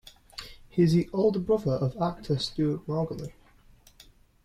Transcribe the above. He is the older brother of actor Stuart Margolin.